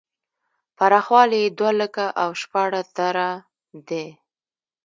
پراخوالی یې دوه لکه او شپاړس زره دی.